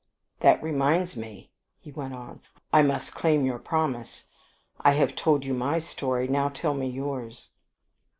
"That reminds me," he went on; "I must claim your promise. I have told you my story. Now, tell me yours."